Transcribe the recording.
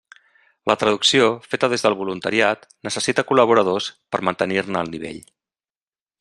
La traducció, feta des del voluntariat, necessita col·laboradors per a mantenir-ne el nivell.